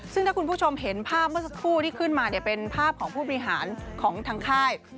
ซึ่งถ้าคุณผู้ชมเห็นภาพเมื่อสักครู่ที่ขึ้นมาเนี่ยเป็นภาพของผู้บริหารของทางค่าย